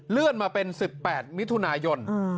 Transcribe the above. เลื่อนมาเป็น๑๘มิถุนายน